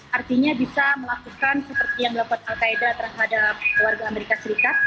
artinya bisa melakukan seperti yang dilakukan al qaeda terhadap warga amerika serikat